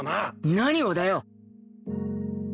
何をだよ！